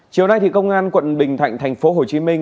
chiều nay công an quận bình thạnh thành phố hồ chí minh